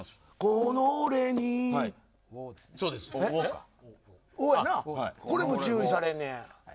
これも注意されんねや。